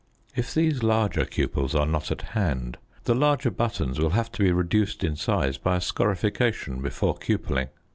If these larger cupels are not at hand the larger buttons will have to be reduced in size by a scorification before cupelling.